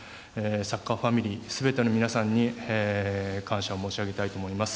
サッカーファミリー全ての皆さんに感謝を申し上げたいと思います。